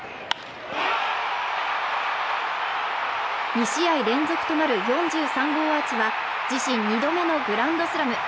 ２試合連続となる４３号アーチは自身二度目のグランドスラム。